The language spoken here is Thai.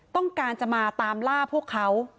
ต้องการจะมาตามล่าพวกเขา